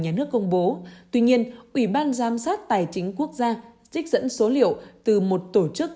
nhà nước công bố tuy nhiên ủy ban giám sát tài chính quốc gia trích dẫn số liệu từ một tổ chức